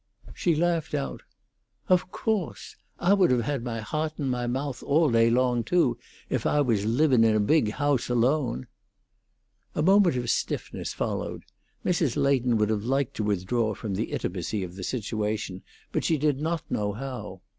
She laughed out. "Of coase! Ah would have my hawt in my moath all day long, too, if Ah was living in a big hoase alone." A moment of stiffness followed; Mrs. Leighton would have liked to withdraw from the intimacy of the situation, but she did not know how.